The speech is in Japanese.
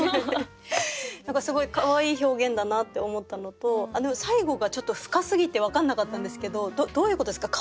何かすごいかわいい表現だなって思ったのとでも最後がちょっと深すぎて分かんなかったんですけどどういうことですか？